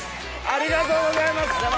ありがとうございます！